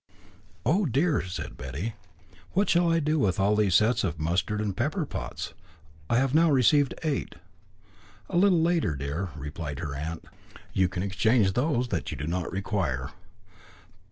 "Oh, dear!" said Betty, "what shall I do with all these sets of mustard and pepper pots? I have now received eight." "A little later, dear," replied her aunt, "you can exchange those that you do not require."